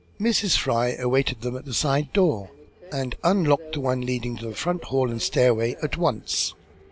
Mrs. Fry awaited them at the side door, and unlocked the one leading to the front hall and stairway at once.